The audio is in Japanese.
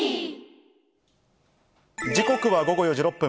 時刻は午後４時６分。